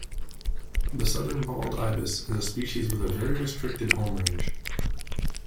The southern bald ibis is a species with a very restricted homerange.